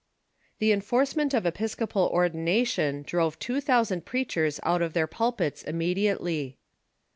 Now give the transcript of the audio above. The enforcement of episcopal ordination drove two thousand l^reachers out of their jjulpits immediately.